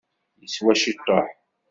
Yeswa ciṭuḥ.